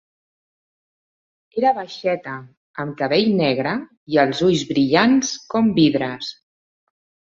Era baixeta, amb cabell negre i els ulls brillants com vidres.